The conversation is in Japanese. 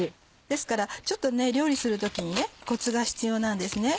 ですからちょっと料理する時にコツが必要なんですね。